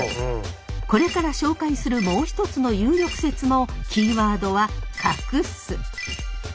これから紹介するもう一つの有力説もキーワードは「隠す」。